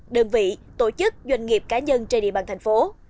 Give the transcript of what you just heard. đơn vị tổ chức doanh nghiệp cá nhân trên địa bàn thành phố